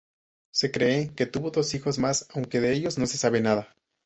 Se cree que tuvo dos hijos más, aunque de ellos no se sabe nada.